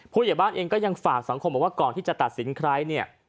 ผู้ใหญ่บ้านเองก็ยังฝากสังคมบอกว่าก่อนที่จะตัดสินใครเนี่ย